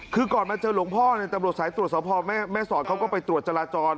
คือก่อนมาเจอหลวงพ่อตำรวจสายตรวจสอบพ่อแม่สอดเขาก็ไปตรวจจราจร